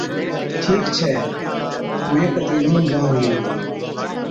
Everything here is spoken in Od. ٺيڪ ڇي۔ مين ڪتِي لُڻُون جان ھُلِي.